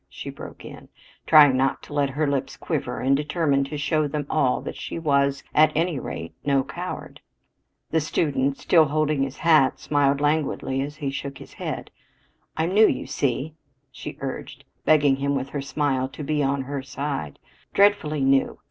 she broke in, trying not to let her lips quiver and determined to show them all that she was, at any rate, no coward. The student, still holding his hat, smiled languidly as he shook his head. "I'm new, you see," she urged, begging him with her smile to be on her side, "dreadfully new!